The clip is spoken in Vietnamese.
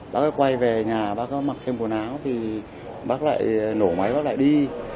bác ấy quay về nhà bác ấy mặc thêm quần áo thì bác lại nổ máy bác lại đi